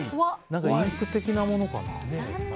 インク的なものかな？